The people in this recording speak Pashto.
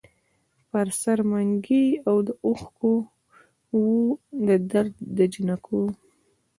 پر سر منګي د اوښکـــــو وو د درد دجینکــــو